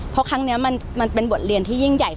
เพราะครั้งนี้มันเป็นบทเรียนที่ยิ่งใหญ่